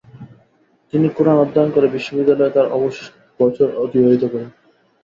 তিনি কুরআন অধ্যয়ন করে বিশ্ববিদ্যালয়ে তার অবশিষ্ট বছর অতিবাহিত করেন।